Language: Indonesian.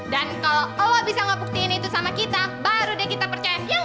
dan kalo allah bisa ngebuktiin itu sama kita baru deh kita percaya ya ga